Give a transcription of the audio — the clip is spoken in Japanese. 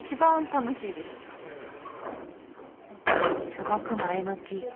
すごく前向き。